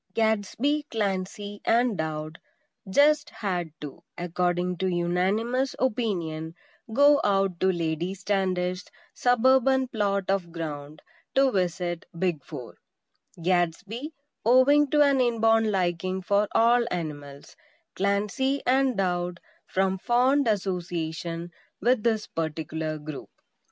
XXXIV Gadsby, Clancy and Dowd "just had" to, according to unanimous opinion, go out to Lady Standish's suburban plot of ground to visit "Big Four;" Gadsby, owing to an inborn liking for all animals; Clancy and Dowd from fond association with this particular group.